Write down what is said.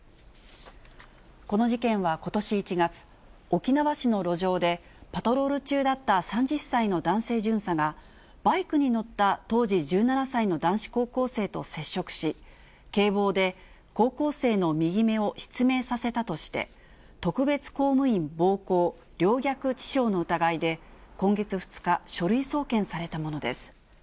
この事件はことし１月、沖縄市の路上で、パトロール中だった３０歳の男性巡査が、バイクに乗った当時１７歳の男子高校生と接触し、警棒で高校生の右目を失明させたとして、特別公務員暴行陵虐致傷の疑いで、今月２日、書類送検されたものです。